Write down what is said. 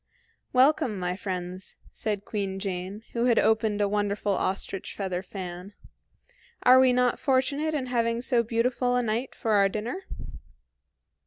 "Welcome, my friends," said Queen Jane, who had opened a wonderful ostrich feather fan. "Are we not fortunate in having so beautiful a night for our dinner?"